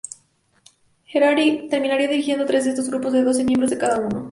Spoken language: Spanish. Harari terminaría dirigiendo tres de estos grupos, de doce miembros cada uno.